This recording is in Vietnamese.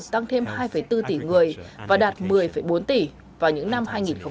tăng thêm hai bốn tỷ người và đạt một mươi bốn tỷ vào những năm hai nghìn hai mươi